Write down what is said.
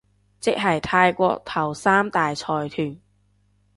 即係泰國頭三大財團